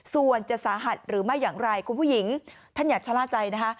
ส่วนจะสาหัสหรือไม่อย่างไรคุณผู้หญิงท่านอย่าชะล่าใจนะคะ